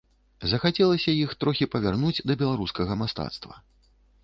Захацелася іх троху павярнуць да беларускага мастацтва.